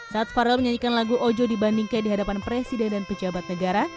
saat farel menyanyikan lagu ojo di bandingke di hadapan presiden dan pejabat negara